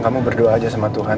kamu berdoa aja sama tuhan